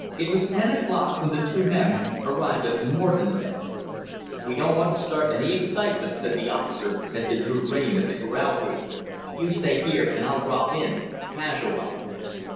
It was ten o'clock when the two men arrived at the Morton ranch. "We don't want to start any excitement," said the officer, as they drew rein at the corral gate. "You stay here and I'll drop in casual like."